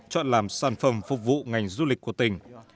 chọn làm sản phẩm phục vụ ngành du lịch của tỉnh